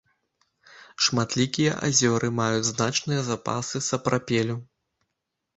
Шматлікія азёры маюць значныя запасы сапрапелю.